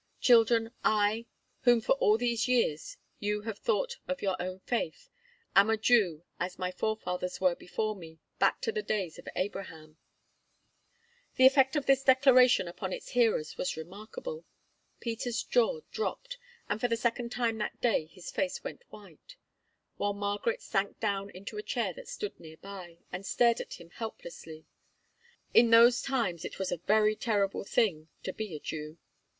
Children, I, whom for all these years you have thought of your own faith, am a Jew as my forefathers were before me, back to the days of Abraham." Castell declares himself a Jew The effect of this declaration upon its hearers was remarkable. Peter's jaw dropped, and for the second time that day his face went white; while Margaret sank down into a chair that stood near by, and stared at him helplessly. In those times it was a very terrible thing to be a Jew.